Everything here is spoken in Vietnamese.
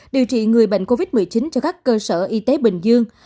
điều trị người bệnh covid một mươi chín cho các cơ sở y tế bình dương